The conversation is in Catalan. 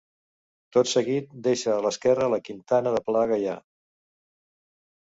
Tot seguit deixa a l'esquerra la Quintana de Pla Gaià.